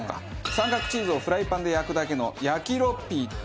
三角チーズをフライパンで焼くだけの焼きロッピー。